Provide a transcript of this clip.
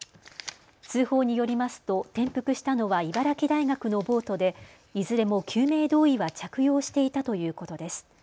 通報によりますと転覆したのは茨城大学のボートでいずれも救命胴衣は着用していたということです。